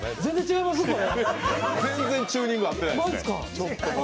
全然チューニング合ってないです。